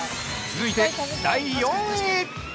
◆続いて第４位。